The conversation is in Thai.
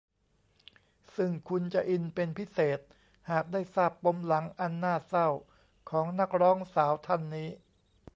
ซึ่งคุณจะอินเป็นพิเศษหากได้ทราบปมหลังอันน่าเศร้าของนักร้องสาวท่านนี้